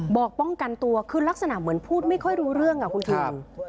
บอกป้องกันตัวคือลักษณะเหมือนพูดไม่ค่อยรู้เรื่องอ่ะคุณคิง